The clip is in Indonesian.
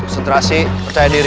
sentrasi percaya diri